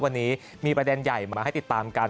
วันนี้มีประเด็นใหญ่มาให้ติดตามกัน